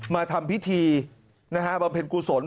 มาทำพิธีนะฮะบำเพ็ญกุศล